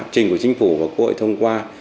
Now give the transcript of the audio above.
trình của chính phủ và quốc hội thông qua